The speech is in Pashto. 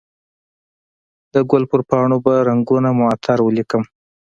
د ګل پر پاڼو به رنګونه معطر ولیکم